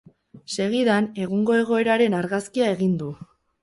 Segidan, egungo egoeraren argazkia egin du.